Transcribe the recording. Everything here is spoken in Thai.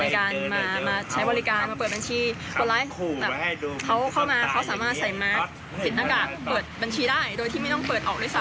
เขาเข้ามาเขาสามารถใส่มาสติดหน้ากากเปิดบัญชีได้โดยที่ไม่ต้องเปิดออกด้วยซ้ำ